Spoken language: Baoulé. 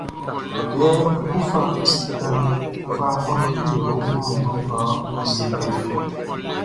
Kɛ á kɔ́ fa ɔ sikaʼn, fa ɔ nimeroʼn man bian ngʼɔ yi sikaʼn.